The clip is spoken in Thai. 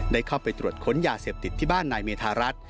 ได้เข้าไปตรวจค้นยาเสพติดที่บ้านนายเมธารัฐ